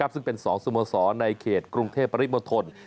ซึ่งเป็นสองสมโสรในเขตกรุงเทพประธิบัติมนตร